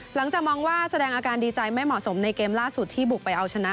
มองว่าแสดงอาการดีใจไม่เหมาะสมในเกมล่าสุดที่บุกไปเอาชนะ